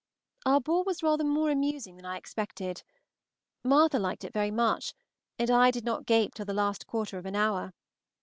Our ball was rather more amusing than I expected. Martha liked it very much, and I did not gape till the last quarter of an hour.